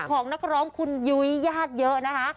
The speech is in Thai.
ของนักร้องคุณยุ้ยญาติเยอะนะคะ